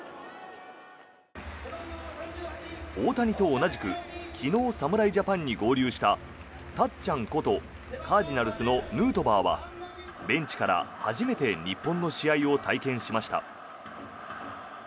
大谷と同じく昨日、侍ジャパンに合流したたっちゃんことカージナルスのヌートバーはベンチから初めて日本の試合を体験しました。